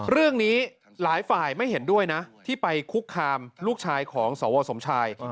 เรื่องนี้หลายฝ่ายไม่เห็นด้วยนะที่ไปคุกคามลูกชายของสวสมชาย